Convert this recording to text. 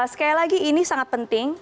sekali lagi ini sangat penting